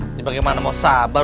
ini bagaimana mau sabar